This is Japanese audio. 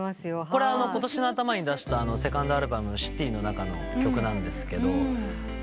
これはことしの頭に出したセカンドアルバム『ＣＩＴＹ』の中の曲なんですけど。